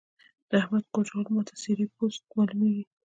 د احمد کور جوړول ما ته څيرې پوست مالومېږي.